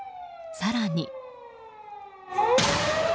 更に。